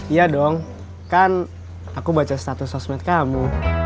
iya dong kan aku baca status sosmed kamu